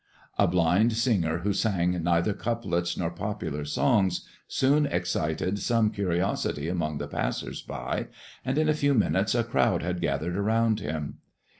A blind singer who sang neither couplets nor popular songs soon excited some curiosity among the passers by, and in a few minutes a crowd had gathered around him.